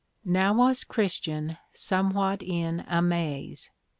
Now was Christian somewhat in a maze.